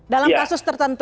dalam kasus tertentu